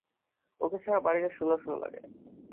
ওকে ছাড়া বাড়িটা শুণ্য শুণ্য লাগে।